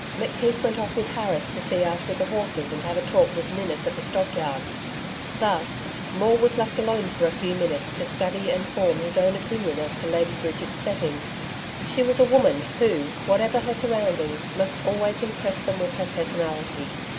McKeith went off with Harris to see after the horses and have a talk with Ninnis at the stockyards. Thus, Maule was left alone for a few minutes to study and form his own opinion as to Lady Bridget's setting. She was a woman who, whatever her surroundings, must always impress them with her personality.